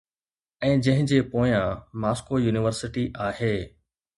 ۽ جنهن جي پويان ماسڪو يونيورسٽي آهي.